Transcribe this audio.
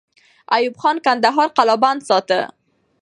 ایوب خان کندهار قلابند ساته.